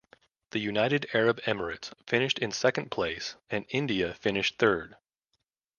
The United Arab Emirates finished in second place and India finished third.